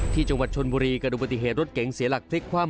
ที่จังหวัดชนบุรีกระดูกปฏิเหตุรถเก๋งเสียหลักพลิกคว่ำ